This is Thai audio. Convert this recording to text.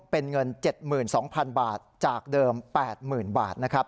เป็นเงิน๗๒๐๐๐บาทจากเดิม๘๐๐๐บาทนะครับ